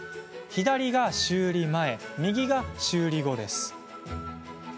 左が修理前、右が修理後です。